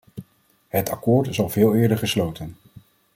Het akkoord is al veel eerder gesloten.